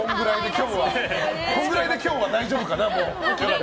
このぐらいで今日はもう大丈夫かな？